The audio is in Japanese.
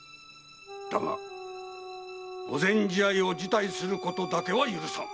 だが御前試合を辞退することだけは許さん！